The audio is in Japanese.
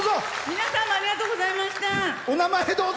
皆さんもありがとうございました！